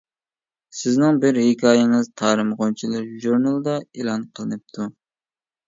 سىزنىڭ بىر ھېكايىڭىز «تارىم غۇنچىلىرى» ژۇرنىلىدا ئېلان قىلىنىپتۇ.